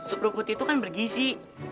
lalu sup rumput itu kan bergizi